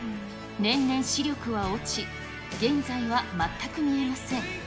年々視力は落ち、現在は全く見えません。